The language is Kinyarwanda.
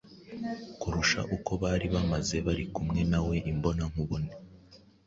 kurusha uko bari bameze bari kumwe na we imbona nkubone